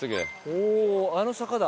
おおあの坂だ。